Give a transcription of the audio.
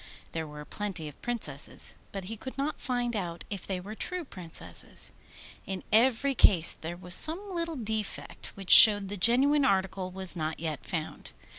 There were plenty of Princesses, but he could not find out if they were true Princesses. In every case there was some little defect, which showed the genuine article was not yet found.